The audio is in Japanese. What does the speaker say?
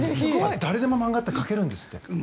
誰でも漫画って描けるんですって。